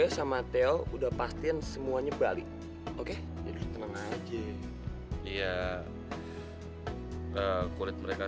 sampai jumpa di video selanjutnya